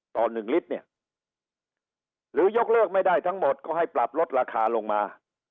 ต่อ๑ลิตรเนี่ยหรือยกเลิกไม่ได้ทั้งหมดก็ให้ปรับลดราคาลงมา